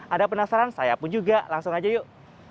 ada penasaran saya pun juga langsung aja yuk